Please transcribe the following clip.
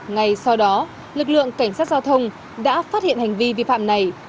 ngay sau đó lực lượng cảnh sát giao thông đã phát hiện hành vi vi phạm này